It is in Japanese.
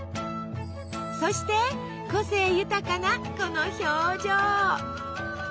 そして個性豊かなこの表情。